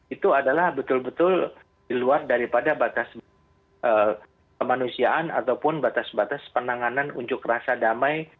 itu adalah betul betul di luar daripada batas kemanusiaan ataupun batas batas penanganan unjuk rasa damai